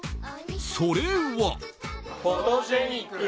それは。